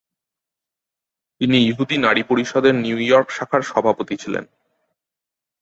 তিনি ইহুদি নারী পরিষদের নিউ ইয়র্ক শাখার সভাপতি ছিলেন।